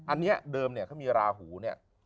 อันนี้เดิมเนี่ยเขามีราหูเนี่ย